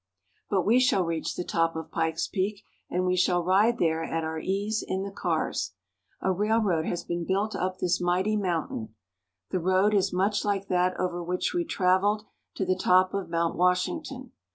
But we shall reach the top of Pikes Peak, and we shall ride there at our ease in the cars. A railroad has been built up this mighty mountain. The road is much like that over which we traveled to the top of Mount Wash ington.